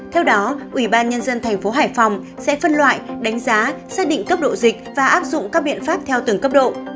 theo đó ủy ban nhân dân thành phố hải phòng sẽ phân loại đánh giá xác định cấp độ dịch và áp dụng các biện pháp theo từng cấp độ